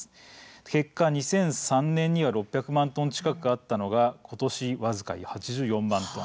結果２００３年には６００万トン近くあったのがことし僅か８４万トン。